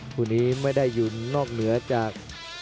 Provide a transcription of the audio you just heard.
คู่นี้ไม่ได้อยู่นอกเหนือจาก